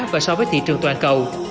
và so với thị trường toàn cầu